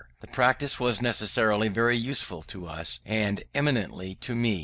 The practice was necessarily very useful to us, and eminently so to me.